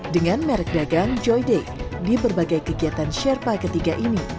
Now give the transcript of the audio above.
dengan merek dagang joy day di berbagai kegiatan sherpa ketiga ini